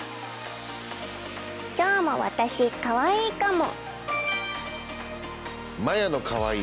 きょうも私かわいいかも。